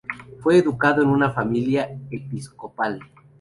Fue educado en una familia episcopal.